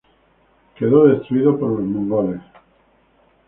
Quedó destruido por los mongoles.